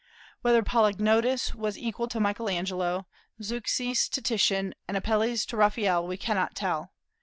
Whether Polygnotus was equal to Michael Angelo, Zeuxis to Titian, and Apelles to Raphael, we cannot tell.